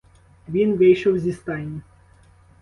Він вийшов зі стайні.